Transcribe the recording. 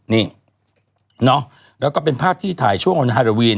นี่เนาะแล้วก็เป็นภาพที่ถ่ายช่วงฮาราวีน